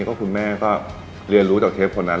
ก็คุณแม่ก็เรียนรู้จากเชฟคนนั้น